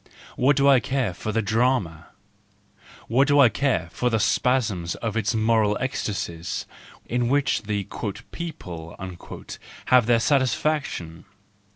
What do I care for the drama! What do I care for the spasms of its moral ecstasies, in which the " people " have their satisfaction!